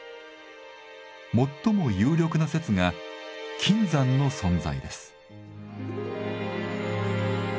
最も有力な説が金山の存在です。